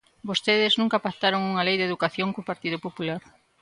Vostedes nunca pactaron unha lei de educación co Partido Popular.